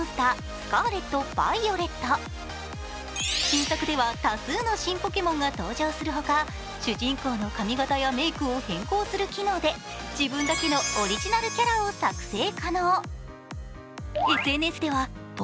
新作では多数の新ポケモンが登場するほか、主人公の髪形やメークを変更する機能で自分だけのオリジナルキャラを作成可能。